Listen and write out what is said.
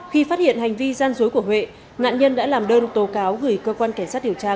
khi phát hiện hành vi gian dối của huệ nạn nhân đã làm đơn tố cáo gửi cơ quan cảnh sát điều tra